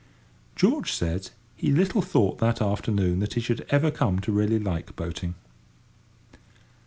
George said he little thought that afternoon that he should ever come to really like boating.